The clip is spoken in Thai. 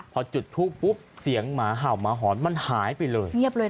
พอจุดทูปปุ๊บเสียงหมาเห่าหมาหอนมันหายไปเลย